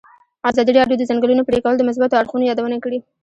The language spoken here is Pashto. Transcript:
ازادي راډیو د د ځنګلونو پرېکول د مثبتو اړخونو یادونه کړې.